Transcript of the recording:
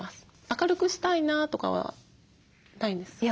明るくしたいなとかはないんですか？